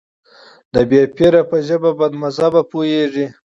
د بې پيره په ژبه بدمذهبه پوهېږي.